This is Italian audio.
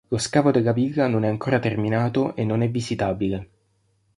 Lo scavo della villa non è ancora terminato e non è visitabile.